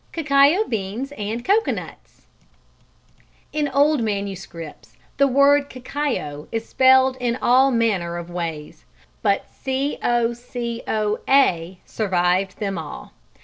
Cacao Beans and Coconuts. In old manuscripts the word cacao is spelled in all manner of ways, but cocoa survived them all.